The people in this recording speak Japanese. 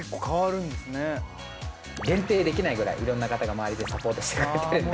限定できないぐらい色んな方が周りでサポートしてくれているので。